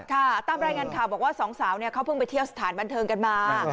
ค่ะตามรายงานข่าวบอกว่าสองสาวเขาเพิ่งไปเที่ยวสถานบันเทิงกันมา